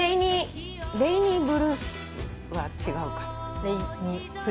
「レイニーブルース」は違うか。